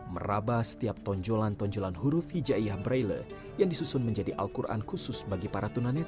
merabah setiap tonjolan tonjolan huruf hijaiyah braille yang disusun menjadi al quran khusus bagi para tunanetra